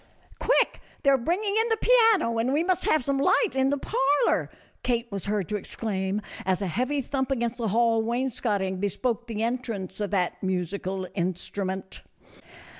" Quick ! they are bringing in the piano and we must have some light in the parlor," Kate was heard to exclaim, as a heavy thump against the hall wainscoting bespoke the entrance of that musical instrument.